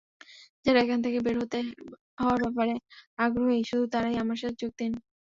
যারা এখান থেকে বের হওয়ার ব্যাপারে আগ্রহী, শুধু তারাই আমার সাথে যোগ দিন।